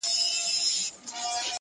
چي مي خپل سي له شمشاده تر چتراله -